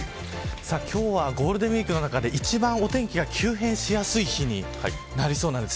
今日はゴールデンウイークの中で一番お天気が急変しやすい日になりそうなんです。